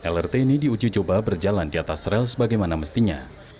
lrt ini diuji coba berjalan di atas rel sebagaimana mestinya